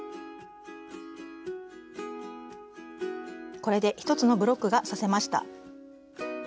これで１つのブロックが刺せました。